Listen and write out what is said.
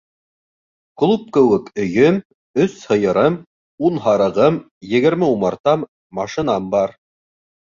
Клуб кеүек өйөм, өс һыйырым, ун һарығым, егерме умартам, машинам бар.